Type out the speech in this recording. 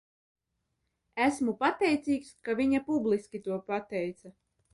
Esmu pateicīgs, ka viņa publiski to pateica.